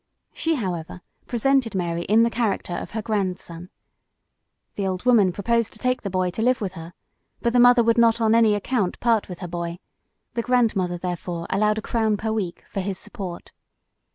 She, however, presented Mary in the character of her grandson. The old woman proposed to take the boy to live with her, but the mother would not on any account part with her boy; the grandmother, therefore, allowed a crown per week for his support.